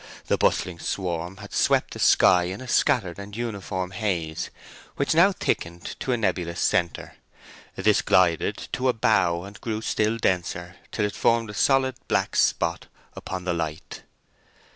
The bustling swarm had swept the sky in a scattered and uniform haze, which now thickened to a nebulous centre: this glided on to a bough and grew still denser, till it formed a solid black spot upon the light.